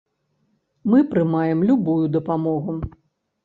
Мы прымаем любую дапамогу.